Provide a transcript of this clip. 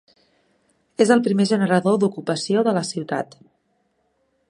És el primer generador d'ocupació de la ciutat.